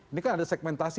ini kan ada segmentasi